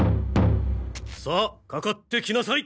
さあかかってきなさい！